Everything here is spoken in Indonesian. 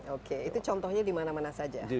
oke itu contohnya dimana mana saja